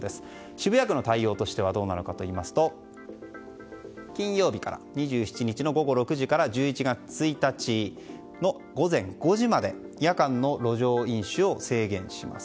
渋谷区の対応としては金曜日、２７日の午後６時から１１月１日の午前５時まで夜間の路上飲酒を制限します。